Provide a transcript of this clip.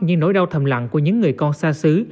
như nỗi đau thầm lặng của những người con xa xứ